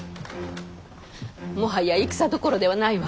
もはや戦どころではないわ。